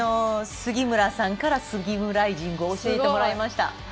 杉村さんからスギムライジングを教えてもらいました。